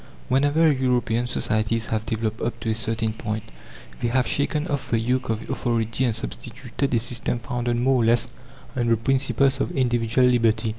Whenever European societies have developed up to a certain point, they have shaken off the yoke of authority and substituted a system founded more or less on the principles of individual liberty.